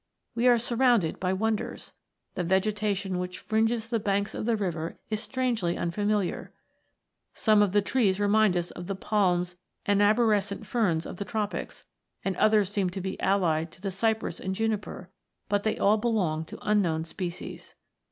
We are surrounded by wonders. The vegetation which fringes the banks of the river is strangely unfamiliar. Some of the trees remind us of the palms and arborescent ferns of the Tropics, and others seem to be allied to the cypress and juniper, but they all belong to un known species.